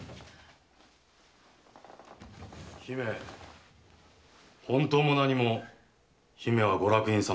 姫本当も何も姫はご落胤様でござる。